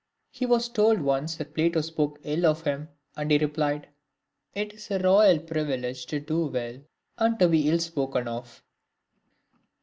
He was told once that Plato spoke ill of him, and he replied, *' It is a royal privilege to do well, and to be evil spoken of."